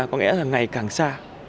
có nghĩa là ngày càng xa